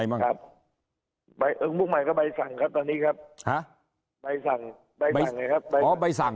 ใบสั่งใบสั่งไงครับอ๋อใบสั่ง